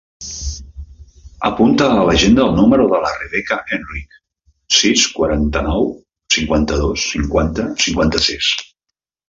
Apunta a l'agenda el número de la Rebeca Enrich: sis, quaranta-nou, cinquanta-dos, cinquanta, cinquanta-sis.